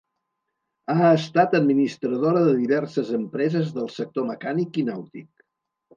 Ha estat administradora de diverses empreses del sector mecànic i nàutic.